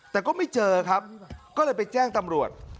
แต่ก็ไม่เจอครับก็เลยไปแจ้งตำรวจ